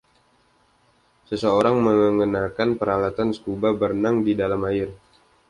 Seseorang mengenakan peralatan skuba berenang di dalam air.